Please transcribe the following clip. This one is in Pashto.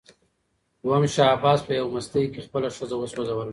دوهم شاه عباس په یوه مستۍ کې خپله ښځه وسوځوله.